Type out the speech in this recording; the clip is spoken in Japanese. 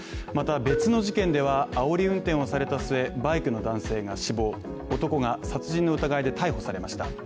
また別の事件ではあおり運転をされた末、バイクの男性が死亡、男が殺人の疑いで逮捕されました。